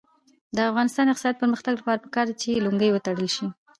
د افغانستان د اقتصادي پرمختګ لپاره پکار ده چې لونګۍ وتړل شي.